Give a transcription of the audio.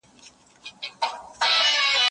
چې څنګه مو صفر څخه سل ته ورسېدو.